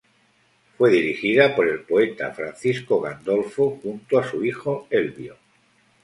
Fue dirigida por el poeta Francisco Gandolfo junto a su hijo Elvio.